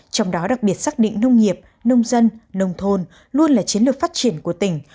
trong đó đặc biệt xác định nông nghiệp nông dân nông thôn luôn là chiến lược phát triển của tỉnh